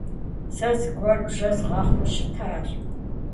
Сэ зэгуэр бжьэ згъэхъуу щытащ.